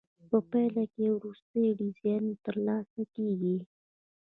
په پایله کې یو وروستی ډیزاین ترلاسه کیږي.